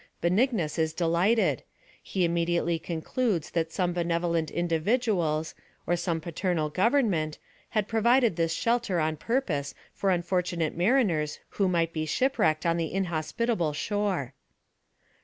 Benignus is delighted; he immediately concludes that some benevolent individuals, or some paternal government, had provided this shelter on pur pose for unfortunate mariners who might be shipwrecked on the inhospitable shore.